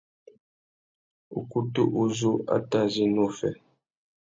Ukutu uzu a tà zu ena uffê.